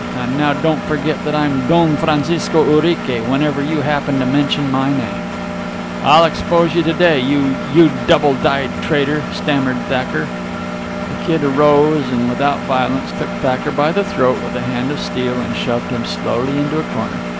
And now, don't forget that I'm Don Francisco Urique whenever you happen to mention my name." "I'll expose you to day, you you double dyed traitor," stammered Thacker. The Kid arose and, without violence, took Thacker by the throat with a hand of steel, and shoved him slowly into a corner.